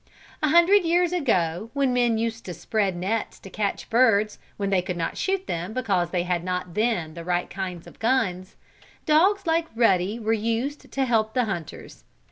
A hundred years ago, when men used to spread nets to catch birds, when they could not shoot them because they had not then the right kind of guns, dogs like Ruddy were used to help the hunters.